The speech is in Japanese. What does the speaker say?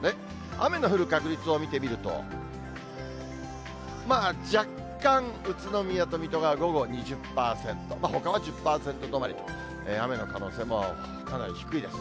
雨の降る確率を見てみると、まあ若干、宇都宮と水戸が午後２０％、ほかは１０％止まり、雨の可能性もかなり低いです。